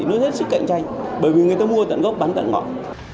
nó rất sức cạnh tranh bởi vì người ta mua tận gốc bán tận ngọt